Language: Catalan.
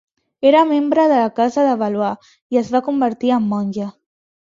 Era membre de la Casa de Valois i es va convertir en monja.